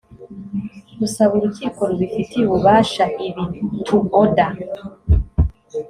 gusaba urukiko rubifitiye ububasha ibi to order